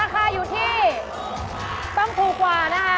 พีค่ะ